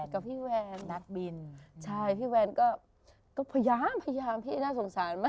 กับพี่แวนนักบินใช่พี่แวนก็พยายามพยายามพี่น่าสงสารมาก